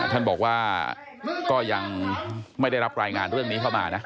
ท่านบอกว่าก็ยังไม่ได้รับรายงานเรื่องนี้เข้ามานะ